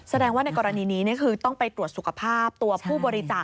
แสดงว่าในกรณีนี้คือต้องไปตรวจสุขภาพตัวผู้บริจาค